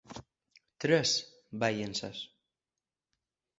Tres, ball encès.